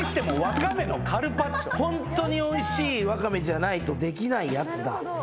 ホントにおいしいワカメじゃないとできないやつだ。